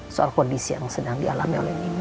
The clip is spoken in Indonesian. soal kondisi yang sedang dialami oleh kita